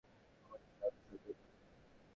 কখনোই সে ব্যাপারে সন্দেহ করিনি।